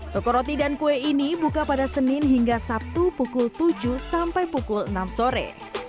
toko roti dan kue ini buka pada senin hingga sabtu pukul tujuh sampai pukul enam sore